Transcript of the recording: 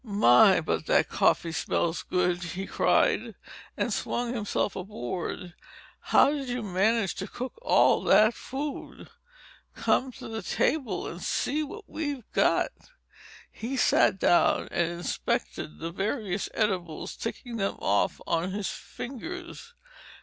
"My, but that coffee smells good," he cried, and swung himself aboard. "How did you manage to cook all that food!" "Come to the table, and see what we've got." He sat down and inspected the various edibles, ticking them off on his fingers.